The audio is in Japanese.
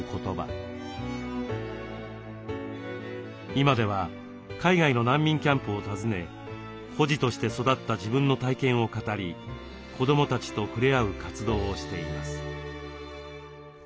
今では海外の難民キャンプを訪ね孤児として育った自分の体験を語り子どもたちと触れ合う活動をしています。